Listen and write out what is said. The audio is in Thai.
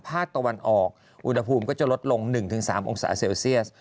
ภาคตะวันออกอุณหภูมิก็จะลดลงหนึ่งถึงสามองศาเซลเซียส